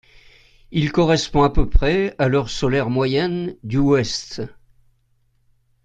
Il correspond à peu près à l'heure solaire moyenne du ouest.